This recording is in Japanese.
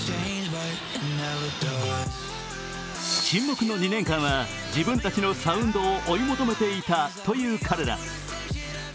沈黙の２年間は、自分たちのサウンドを追い求めていたという彼ら。